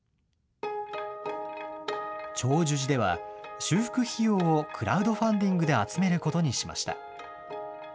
長壽寺では修復費用をクラウドファンディングで集めることにしました。